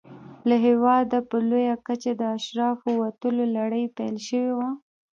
له هېواده په لویه کچه د اشرافو وتلو لړۍ پیل شوې وه.